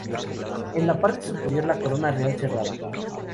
En la parte superior la corona real cerrada.